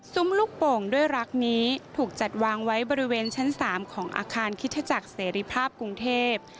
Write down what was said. ลูกโป่งด้วยรักนี้ถูกจัดวางไว้บริเวณชั้น๓ของอาคารคิตจักรเสรีภาพกรุงเทพ